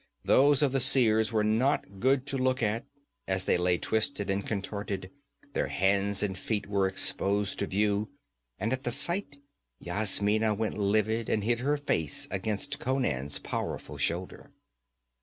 Those of the Seers were not good to look at; as they lay twisted and contorted, their hands and feet were exposed to view, and at the sight Yasmina went livid and hid her face against Conan's powerful shoulder.